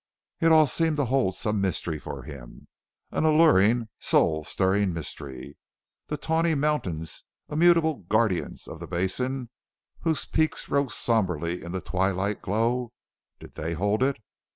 It all seemed to hold some mystery for him an alluring, soul stirring mystery. The tawny mountains, immutable guardians of the basin, whose peaks rose somberly in the twilight glow did they hold it?